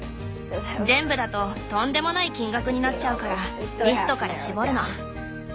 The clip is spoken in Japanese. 全部だととんでもない金額になっちゃうからリストから絞るの。